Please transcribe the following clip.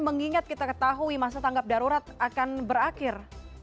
mengingat kita ketahui masa tanggap darurat akan berakhir